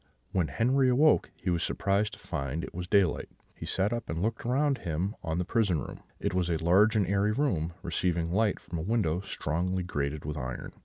"When Henri awoke, he was surprised to find it was daylight; he sat up and looked around him on the prison room; it was a large and airy room, receiving light from a window strongly grated with iron.